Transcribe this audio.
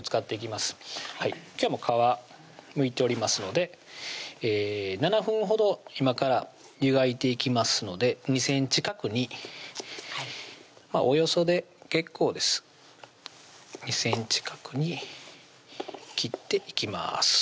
今日は皮むいておりますので７分ほど今から湯がいていきますので２ｃｍ角におよそで結構です２ｃｍ角に切っていきます